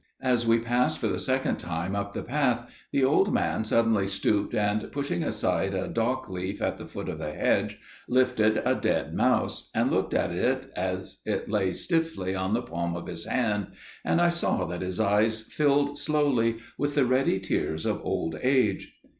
As we passed for the second time up the path, the old man suddenly stooped and pushing aside a dock leaf at the foot of the hedge lifted a dead mouse, and looked at it as it lay stiffly on the palm of his hand, and I saw that his eyes filled slowly with the ready tears of old age.